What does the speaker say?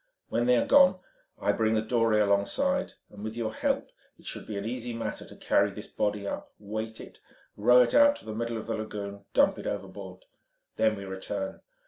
When they are gone, I bring the dory alongside; and with your help it should be an easy matter to carry this body up, weight it, row it out to the middle of the lagoon, dump it overboard. Then we return.